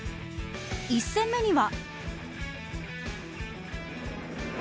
１戦目には。